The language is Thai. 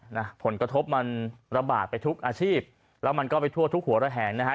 นะผลกระทบมันระบาดไปทุกอาชีพแล้วมันก็ไปทั่วทุกหัวระแหงนะฮะ